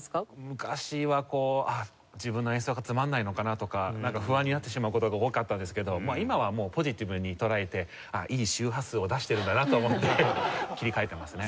昔はこう自分の演奏がつまんないのかなとかなんか不安になってしまう事が多かったんですけど今はもうポジティブに捉えていい周波数を出しているんだなと思って切り替えてますね。